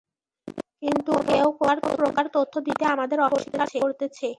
কিন্ত কেউ কোন প্রকার তথ্য দিতে আমাদের অস্বীকার করতেছে।